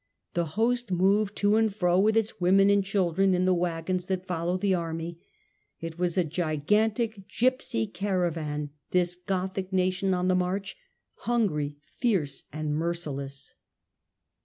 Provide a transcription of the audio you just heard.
The host moved to and fro with its women and children in the waggons that followed the army. It was a gigantic gipsy caravan — this Gothic nation on the march, hungry, fierce and merciless.